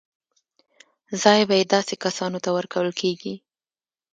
ځای به یې داسې کسانو ته ورکول کېږي.